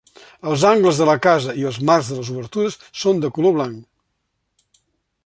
Els angles de la casa i els marcs de les obertures són de color blanc.